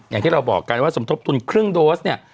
อย่างที่เราบอกกันว่าสมทบทุนครึ่งโดสเนี่ย